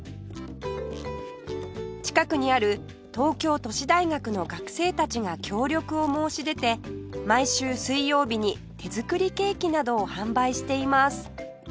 近くにある東京都市大学の学生たちが協力を申し出て毎週水曜日に手作りケーキなどを販売しています